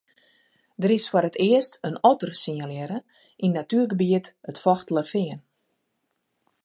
Der is foar it earst in otter sinjalearre yn natuergebiet it Fochtelerfean.